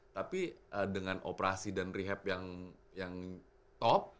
tapi dengan operasi dan rehab yang top